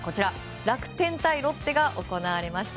楽天対ロッテが行われました。